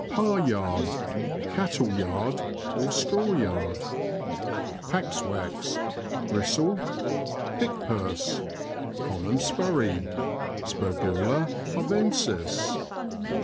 Par Yard. — Cattle yard ; straw yard. Paxwax. — Gristle. PiCKPURSE. — Common spurrey {Spergula arvensis).